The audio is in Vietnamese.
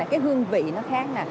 cái hương vị nó khác